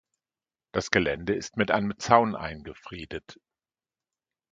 Das Gelände ist mit einem Zaun eingefriedet.